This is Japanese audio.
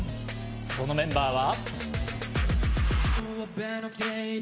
そのメンバーは。